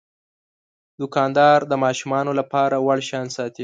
دوکاندار د ماشومانو لپاره وړ شیان ساتي.